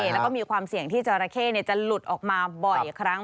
แล้วก็มีความเสี่ยงที่จราเข้จะหลุดออกมาบ่อยครั้ง